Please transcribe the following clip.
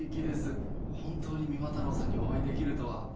本当に三馬太郎さんにお会いできるとは。